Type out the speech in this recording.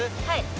はい。